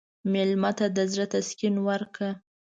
مېلمه ته د زړه تسکین ورکړه.